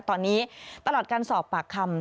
ตอนนี้ตลอดการสอบปากคำ